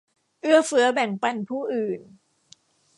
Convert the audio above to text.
เอื้อเฟื้อแบ่งปันผู้อื่น